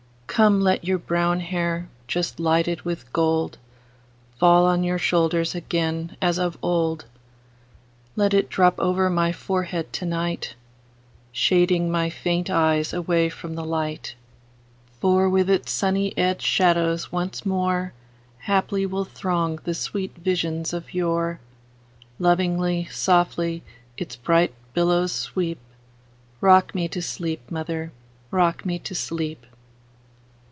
Come, let your brown hair, just lighted with gold, Fall on your shoulders again as of old; Let it drop over my forehead to night, Shading my faint eyes away from the light; For with its sunny edged shadows once moreHaply will throng the sweet visions of yore; Lovingly, softly, its bright billows sweep;—Rock me to sleep, mother,—rock me to sleep!